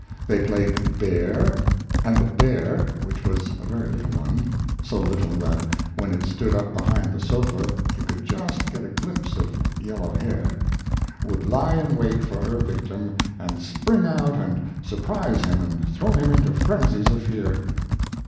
They played "bear," and the "bear" (which was a very little one, so little that when it stood up behind the sofa you could just get a glimpse of yellow hair) would lie in wait for her victim, and spring out and surprise him and throw him into frenzies of fear.